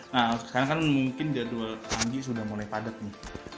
nah sekarang kan mungkin dari dua tanggi sudah mulai padat nih